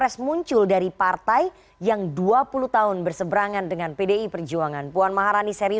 selamat malam bang eriko